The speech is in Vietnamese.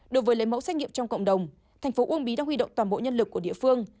đối với lấy mẫu xét nghiệm trong cộng đồng thành phố uông bí đã huy động toàn bộ nhân lực của địa phương